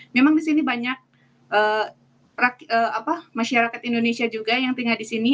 memang di sini banyak masyarakat indonesia juga yang tinggal di sini